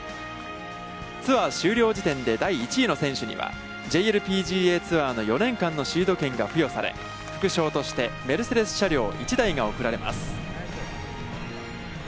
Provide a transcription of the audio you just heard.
ツアー終了時点で第１位の選手には、ＪＬＰＧＡツアーの４年間のシード権が付与され、副賞としてメルセデス車両１台が贈られます。